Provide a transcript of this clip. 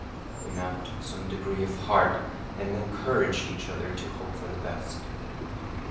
We now took some degree of heart, and encouraged each other to hope for the best.